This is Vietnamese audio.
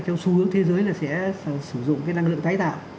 trong xu hướng thế giới là sẽ sử dụng cái năng lượng tái tạo